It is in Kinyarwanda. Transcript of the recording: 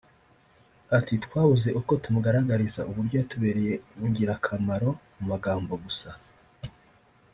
Ati “Twabuze uko tumugaragariza uburyo yatubereye ingirakamaro mu magambo gusa